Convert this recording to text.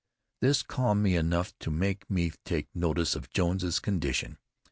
This calmed me enough to make me take notice of Jones's condition.